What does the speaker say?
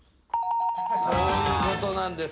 そういうことなんです。